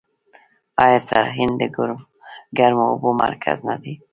آیا سرعین د ګرمو اوبو مرکز نه دی؟